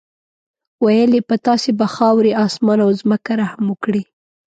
ویل یې په تاسې به خاورې، اسمان او ځمکه رحم وکړي.